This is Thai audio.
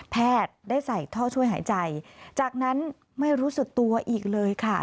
ได้ใส่ท่อช่วยหายใจจากนั้นไม่รู้สึกตัวอีกเลยค่ะ